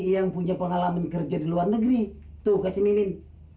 yang punya pengalaman kerja di luar negeri tuh kasih ninin